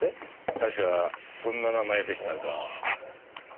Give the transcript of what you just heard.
確かそんな名前でしたが。